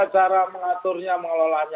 jadi cara mengaturnya mengelolaannya